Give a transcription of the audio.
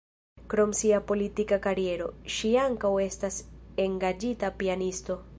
Krom sia politika kariero, ŝi ankaŭ estas engaĝita pianisto.